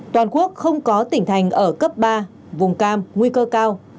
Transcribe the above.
toàn quốc không có tỉnh thành ở cấp ba vùng cam nguy cơ cao